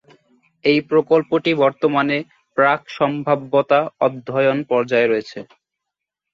এই প্রকল্পটি বর্তমানে প্রাক-সম্ভাব্যতা অধ্যয়ন পর্যায়ে রয়েছে।